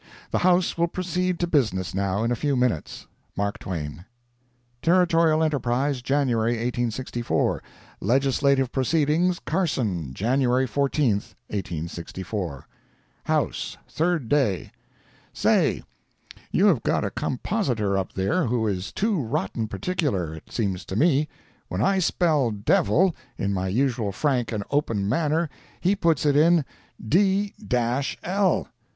The House will proceed to business now in a few minutes. MARK TWAIN Territorial Enterprise, January 1864 LEGISLATIVE PROCEEDINGS Carson, January 14, 1864 HOUSE—THIRD DAY Say—you have got a compositor up there who is too rotten particular, it seems to me. When I spell "devil" in my usual frank and open manner, he puts it "d—l"!